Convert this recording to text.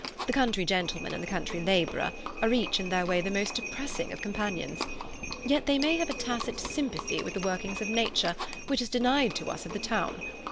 The country gentleman and the country labourer are each in their way the most depressing of companions. Yet they may have a tacit sympathy with the workings of Nature which is denied to us of the town.